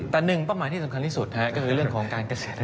แต่หนึ่งเป้าหมายที่สำคัญที่สุดก็คือเรื่องของการเกษตร